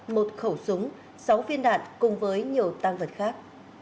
một khẩu súng sáu viên đạn cùng với nhiều tăng vật khác